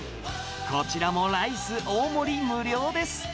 こちらもライス大盛り無料です。